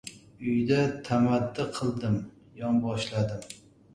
Uyda tamaddi qildim, yonboshladim.